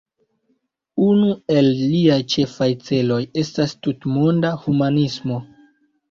Unu el liaj ĉefaj celoj estas tutmonda humanismo.